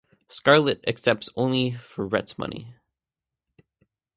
Scarlett accepts only for Rhett's money.